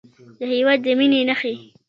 د هېواد د مینې نښې